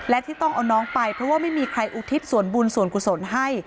และที่ต้องเอาน้องไปเพราะว่าไม่มีใครอุทิศส่วนบุญส่วนกุศลให้